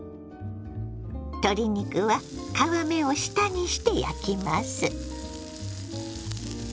鶏肉は皮目を下にして焼きます。